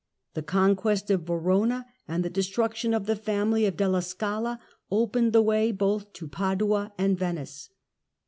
The conquest of Verona and the destruction of the family of Delia Scala opened the way both to Padua and Venice.